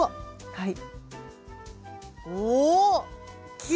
はい。